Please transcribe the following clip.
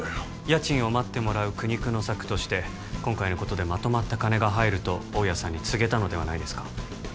家賃を待ってもらう苦肉の策として今回のことでまとまった金が入ると大家さんに告げたのではないですか？